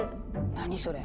何それ？